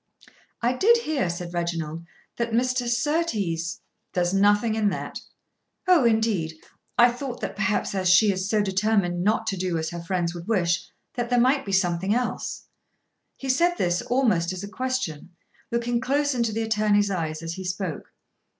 "I did hear," said Reginald, "that Mr. Surtees " "There's nothing in that." "Oh, indeed. I thought that perhaps as she is so determined not to do as her friends would wish, that there might be something else." He said this almost as a question, looking close into the attorney's eyes as he spoke.